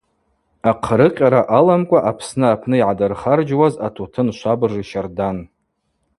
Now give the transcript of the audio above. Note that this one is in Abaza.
Ахърыкъьара аламкӏва Апсны апны йгӏадырхарджьуаз атутын швабыж йщардан.